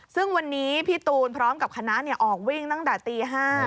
ซึ่งวันนี้พี่ตูนพร้อมกับคณะออกวิ่งตั้งแต่ตี๕